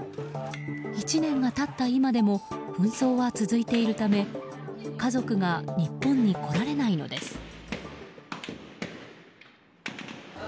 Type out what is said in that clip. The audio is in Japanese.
１年が経った今でも紛争は続いているため家族が日本に来られないのです。